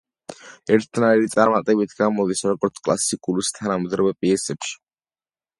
ერთნაირი წარმატებით გამოდის როგორც კლასიკურ, ისე თანამედროვე პიესებში.